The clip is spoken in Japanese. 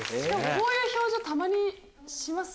こういう表情たまにします。